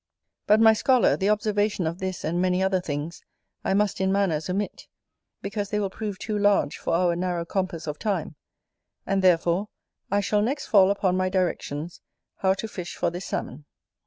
But, my scholar, the observation of this and many other things I must in manners omit, because they will prove too large for our narrow compass of time, and, therefore, I shall next fall upon my directions how to fish for this Salmon.